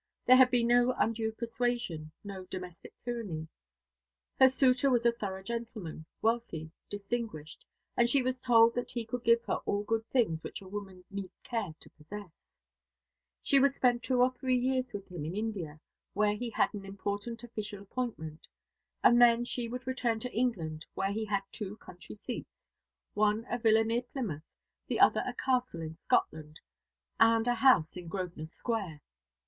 There had been no undue persuasion, no domestic tyranny. Her suitor was a thorough gentleman, wealthy, distinguished, and she was told that he could give her all good things which a woman need care to possess. She would spend two or three years with him in India, where he had an important official appointment; and then she would return to England, where he had two country seats one a villa near Plymouth, the other a castle in Scotland and a house in Grosvenor Square.